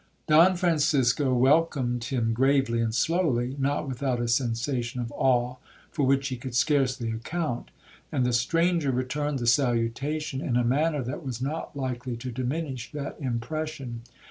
'Don Francisco welcomed him gravely and slowly, not without a sensation of awe for which he could scarcely account;—and the stranger returned the salutation in a manner that was not likely to diminish that impression.